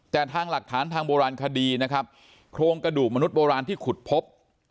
แต่ทางหลักฐานทางโบราณคดีนะครับโครงกระดูกมนุษยโบราณที่ขุดพบ